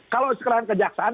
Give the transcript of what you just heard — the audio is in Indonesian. kalau sekarang kejaksaan